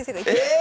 え？